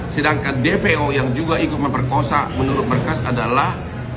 sedangkan dpo yang juga ikut memperkosa menurut berkas adalah